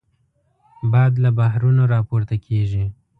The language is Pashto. باد له بحرونو راپورته کېږي